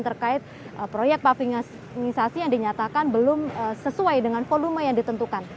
terkait proyek pavingalisasi yang dinyatakan belum sesuai dengan volume yang ditentukan